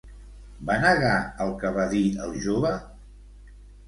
Va negar el que va dir el jove?